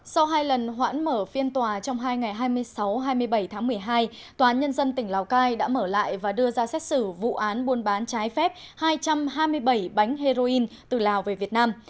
sau hai lần hoãn mở phiên tòa trong hai ngày hai mươi sáu hai mươi bảy tháng một mươi hai tòa án nhân dân tỉnh lào cai đã mở lại và đưa ra xét xử vụ án buôn bán trái phép hai trăm hai mươi bảy bánh heroin từ lào về việt nam